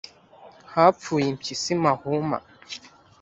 hapfuye Impyisi mahuma